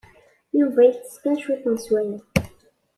Yuba yeṭṭeṣ kan cwiṭ n sswayeɛ.